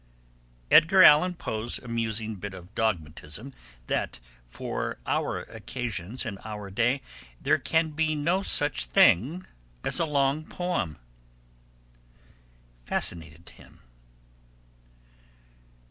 Edgar Allan Poe's amusing bit of dogmatism that, for our occasions and our day, 'there can be no such thing as a long poem,' fascinated him.